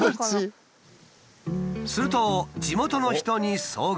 すると地元の人に遭遇。